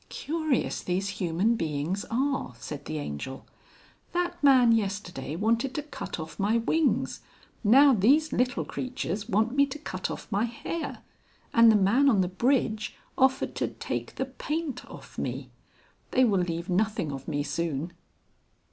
"Curious these Human Beings are!" said the Angel. "That man yesterday wanted to cut off my wings, now these little creatures want me to cut off my hair! And the man on the bridge offered to take the 'paint' off me. They will leave nothing of me soon."